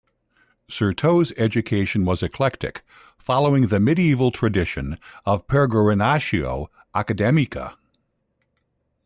Certeau's education was eclectic, following the medieval tradition of "peregrinatio academica".